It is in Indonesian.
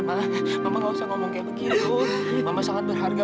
sampai jumpa di video selanjutnya